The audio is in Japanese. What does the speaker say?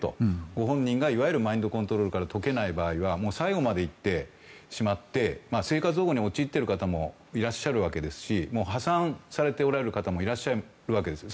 ご本人がマインドコントロールから解けない場合は最後まで行ってしまって生活保護に陥ってる方もいらっしゃるわけですし破産されておられる方もいらっしゃるわけです。